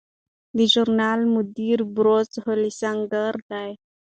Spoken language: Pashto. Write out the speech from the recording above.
د ژورنال مدیر بروس هولسینګر دی.